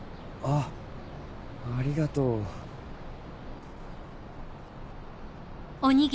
あっありがとう！ん！